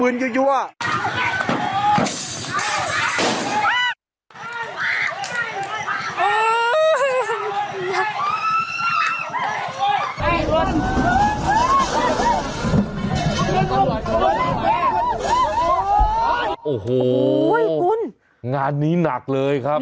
อืมอืมฮืมโอ้โหเปิดโอ้โหโอ้โหคุณงานนี้หนักเลยครับ